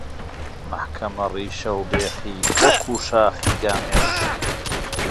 مەحکەمە ڕیشە و بێخی وەکوو شاخی گامێش